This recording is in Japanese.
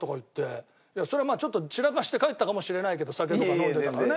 それはまあちょっと散らかして帰ったかもしれないけど酒とか飲んでたからね。